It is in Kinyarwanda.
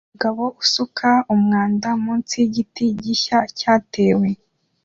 Umugabo usuka umwanda munsi yigiti gishya cyatewe